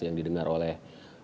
yang didengar oleh